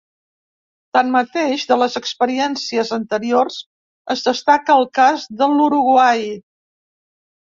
Tanmateix, de les experiències anteriors es destaca el cas de l’Uruguai.